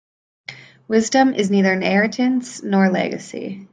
Wisdom is neither inheritance nor a legacy.